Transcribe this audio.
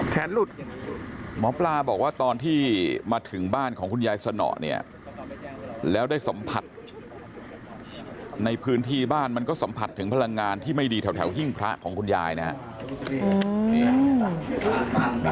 หลุดหมอปลาบอกว่าตอนที่มาถึงบ้านของคุณยายสนอเนี่ยแล้วได้สัมผัสในพื้นที่บ้านมันก็สัมผัสถึงพลังงานที่ไม่ดีแถวหิ้งพระของคุณยายนะครับ